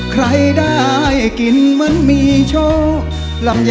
ใครได้กินเหมือนมีโชคลำ